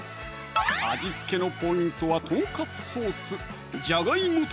味付けのポイントはとんかつソース